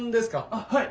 あっはい！